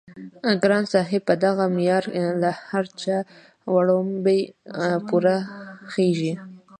ګران صاحب په دغه معيار له هر چا وړومبی پوره خيژي